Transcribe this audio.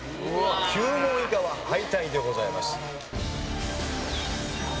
９問以下は敗退でございます。